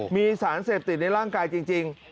มีสารเสพติดในร่างกายจริง